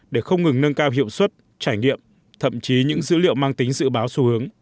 để không ngừng nâng cao hiệu suất trải nghiệm thậm chí những dữ liệu mang tính dự báo xu hướng